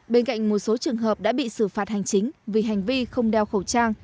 bên cạnh một số trường hợp đã bị xử phạt hành chính vì hành vi không đeo khẩu trang